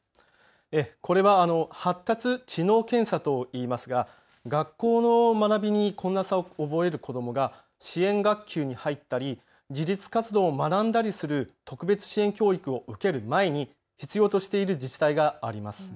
これは発達・知能検査と言いますが学校の学びに困難さを覚える子どもが支援学級に入ったり自立活動を学んだりする特別支援教育を受ける前に必要としている自治体があります。